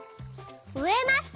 「うえました」。